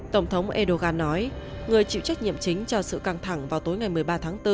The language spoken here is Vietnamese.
tổng thống erdogan nói người chịu trách nhiệm chính cho sự căng thẳng vào tối ngày một mươi ba tháng bốn